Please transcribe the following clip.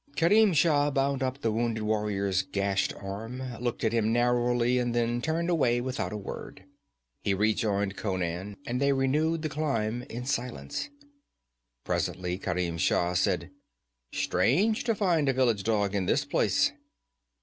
Kerim Shah bound up the wounded warrior's gashed arm, looked at him narrowly, and then turned away without a word. He rejoined Conan, and they renewed the climb in silence. Presently Kerim Shah said: 'Strange to find a village dog in this place.'